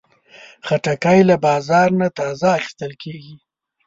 خټکی له بازار نه تازه اخیستل کېږي.